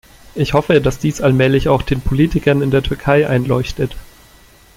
Ich hoffe, dass dies allmählich auch den Politikern in der Türkei einleuchtet.